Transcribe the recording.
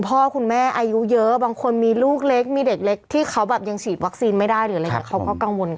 เพราะว่าจริงต้องยอมรับว่าหลายคนก็ยังกังวล